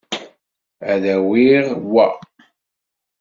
Ad awiɣ wa.